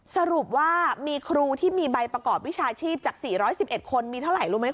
สรุปว่ามีครูที่มีใบประกอบวิชาชีพจาก๔๑๑คนมีเท่าไหร่รู้ไหมค